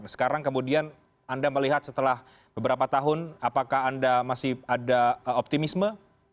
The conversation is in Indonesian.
sekarang kemudian anda melihat setelah beberapa tahun apakah anda masih ada optimisme